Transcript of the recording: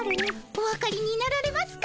おわかりになられますか？